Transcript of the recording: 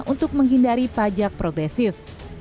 untuk menghindari pajak progresif